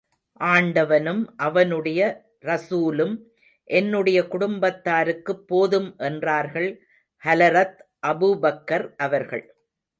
ஆண்டவனும், அவனுடைய ரஸூலும் என்னுடைய குடும்பத்தாருக்குப் போதும் என்றார்கள் ஹலரத் அபூபக்கர் அவர்கள்.